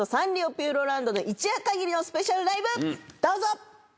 ピューロランドで一夜限りのスペシャルライブどうぞ！